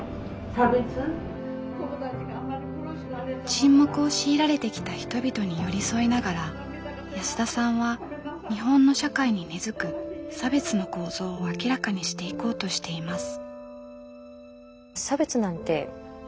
沈黙を強いられてきた人々に寄り添いながら安田さんは日本の社会に根づく差別の構造を明らかにしていこうとしています。